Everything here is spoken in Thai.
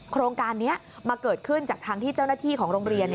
โครงการนี้มาเกิดขึ้นจากทางที่เจ้าหน้าที่ของโรงเรียน